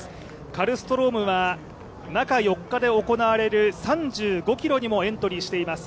カルストロームは中４日で行われる３５ｋｍにもエントリーしています。